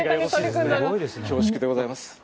恐縮でございます。